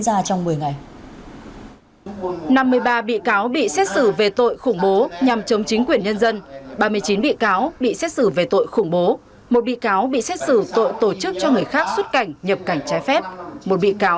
một bị cáo xét xử tội che giấu tội phạm